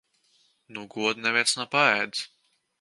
No goda neviens nav paēdis.